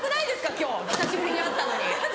今日久しぶりに会ったのに。